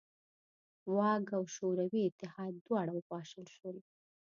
واک او شوروي اتحاد دواړه وپاشل شول.